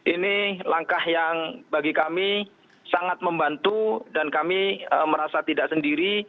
ini langkah yang bagi kami sangat membantu dan kami merasa tidak sendiri